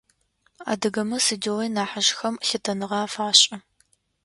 Адыгэмэ сыдигъуи нахьыжъхэм лъытэныгъэ афашӏы.